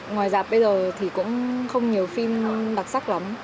ngoài dạp bây giờ thì cũng không nhiều phim đặc sắc lắm